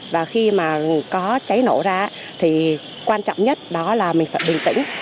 và khi mà có cháy nổ ra thì quan trọng nhất đó là mình phải bình tĩnh